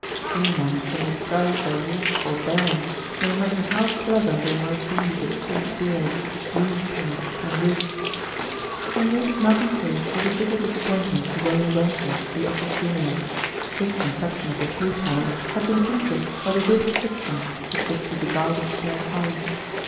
Few men can disguise their walk or bearing, no matter how clever they might be with false beards, grease paint and wigs. In this Malcolm Sage was a bitter disappointment to William Johnson, the office junior. His conception of the sleuth hound had been tinctured by the vivid fiction with which he beguiled his spare time.